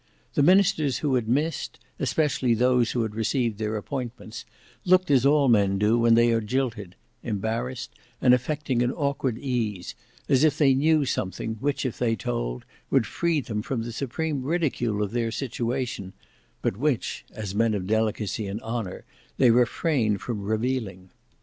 The ministers who had missed, especially those who had received their appointments, looked as all men do when they are jilted—embarrassed and affecting an awkward ease; as if they knew something which, if they told, would free them from the supreme ridicule of their situation, but which, as men of delicacy and honour, they refrained from revealing.